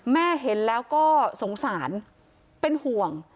แม่เห็นแล้วก็สงสารเป็นห่วง